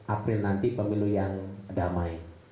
april nanti pemilu yang damai